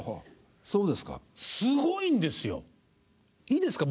すごいんですよ！